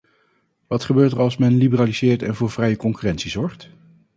Wat gebeurt er als men liberaliseert en voor vrije concurrentie zorgt?